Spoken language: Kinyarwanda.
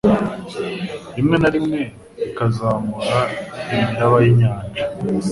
rimwe na rimwe bikazamura imiraba y'inyanja